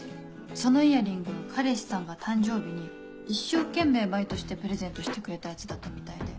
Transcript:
そのイヤリング彼氏さんが誕生日に一生懸命バイトしてプレゼントしてくれたやつだったみたいで。